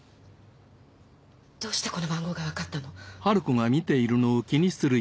どうしてこの番号がわかったの？